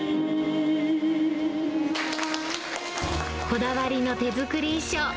こだわりの手作り衣装。